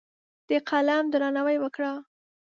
د قلم درناوی وکړه.